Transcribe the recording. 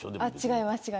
違います。